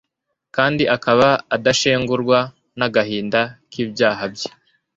kandi akaba adashengurwa n'agahinda k'ibyaha bye